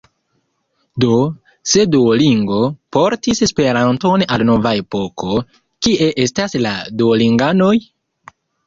Do, se Duolingo portis Esperanton al nova epoko, kie estas la Duolinganoj?